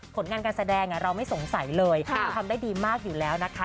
ผลงานการแสดงเราไม่สงสัยเลยทำได้ดีมากอยู่แล้วนะคะ